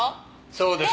そうです。